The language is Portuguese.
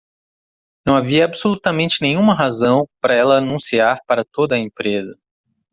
Não havia absolutamente nenhuma razão para ela anunciar para toda a empresa.